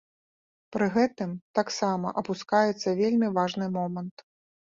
Пры гэтым таксама апускаецца вельмі важны момант.